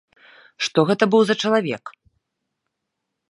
Што гэта быў за чалавек?